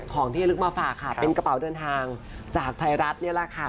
คุณผู้ชมไม่เจนเลยค่ะถ้าลูกคุณออกมาได้มั้ยคะ